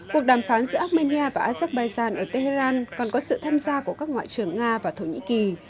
cuộc đàm phán giữa armenia và azerbaijan ở tehran còn có sự tham gia của các ngoại trưởng nga và thổ nhĩ kỳ